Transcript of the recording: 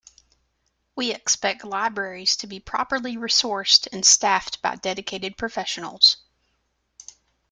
We expect libraries to be properly resourced and staffed by dedicated professionals.